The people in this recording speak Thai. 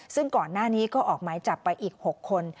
ซึ่งก่อนหน้านี้ก็ออกหมายจับไปอีก๖คน